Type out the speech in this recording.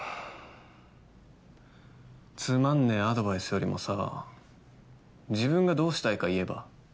つまんねえアドバイスよりもさ自分がどうしたいか言えば？